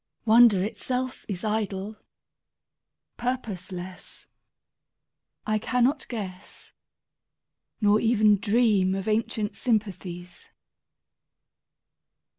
Wonder itself is idle, purposeless; I cannot guess Nor even dream of ancient sympathies.